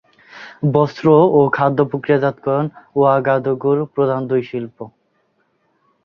বস্ত্র ও খাদ্য প্রক্রিয়াজাতকরণ ওয়াগাদুগু-র প্রধান দুই শিল্প।